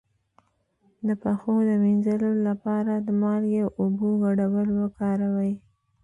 د پښو د مینځلو لپاره د مالګې او اوبو ګډول وکاروئ